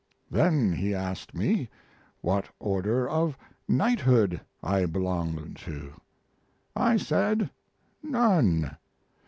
Then he asked me what order of knighthood I belonged to? I said, "None."